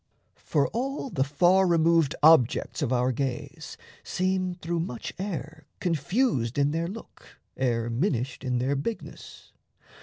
For all The far removed objects of our gaze Seem through much air confused in their look Ere minished in their bigness.